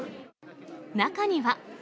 中には。